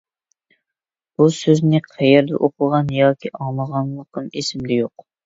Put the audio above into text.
بۇ سۆزنى قەيەردە ئوقۇغان ياكى ئاڭلىغانلىقىم ئېسىمدە يوق.